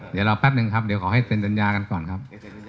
เดี๋ยวรอแป๊บหนึ่งครับเดี๋ยวขอให้เซ็นสัญญากันก่อนครับ